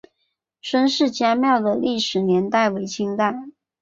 孙氏家庙的历史年代为清代。